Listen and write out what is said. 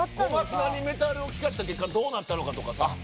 小松菜にメタルを聴かした結果どうなったのかとかさ。